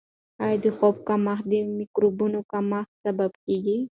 آیا د خوب کمښت د مایکروبونو کمښت سبب کیږي؟